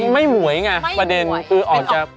ไม่หมวยไงประเด็นคือออกจาก